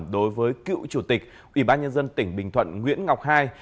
đối với cựu chủ tịch ủy ban nhân dân tỉnh bình thuận nguyễn ngọc hai